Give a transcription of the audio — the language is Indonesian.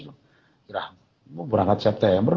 hijrah mau berangkat september